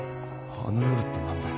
「あの夜」って何だよ？